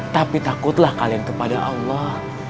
tapi takutlah kalian kepada allah